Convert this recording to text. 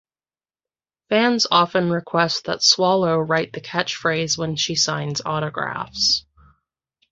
Fans often request that Swallow write the catchphrase when she signs autographs.